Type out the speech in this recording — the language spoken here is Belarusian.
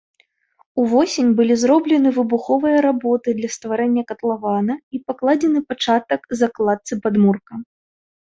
Увосень былі зроблены выбуховыя работы для стварэння катлавана і пакладзены пачатак закладцы падмурка.